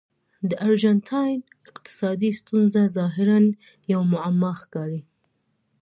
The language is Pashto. د ارجنټاین اقتصادي ستونزه ظاهراً یوه معما ښکاري.